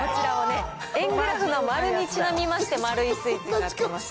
円グラフの丸にちなみまして、丸いスイーツになっています。